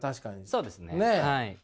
そうですねはい。